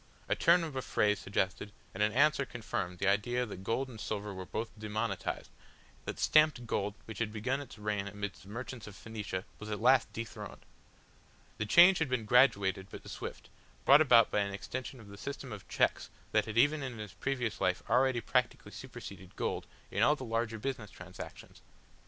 A turn of a phrase suggested, and an answer confirmed the idea that gold and silver were both demonetised, that stamped gold which had begun its reign amidst the merchants of Phoenicia was at last dethroned. The change had been graduated but swift, brought about by an extension of the system of cheques that had even in his previous life already practically superseded gold in all the larger business transactions.